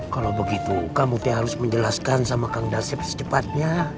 kalau begitu kamu te harus menjelaskan sama kang dan sip secepatnya